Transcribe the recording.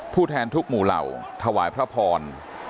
แทนทุกหมู่เหล่าถวายพระพร